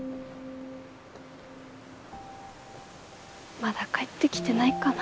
まだ帰ってきてないかな。